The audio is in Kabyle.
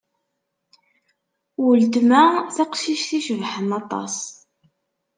Weltma taqcict icebḥen aṭas.